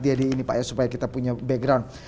dia di ini pak ya supaya kita punya background